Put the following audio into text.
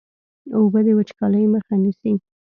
اوبه د وچکالۍ مخه نیسي.